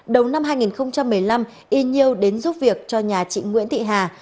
đầu năm hai nghìn một mươi năm y nhiều đến giúp việc cho nhà chị nguyễn thị hà